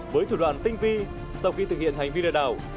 với thủ đoạn tinh vi sau khi thực hiện hành vi lừa đảo